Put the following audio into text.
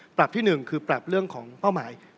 ปรับที่๑คือปรับเรื่องของเป้าหมาย